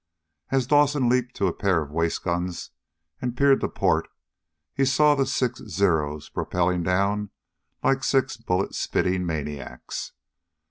As Dawson leaped to a pair of waist guns and peered to port, he saw the six Zeros prop piling down like six bullet spitting maniacs.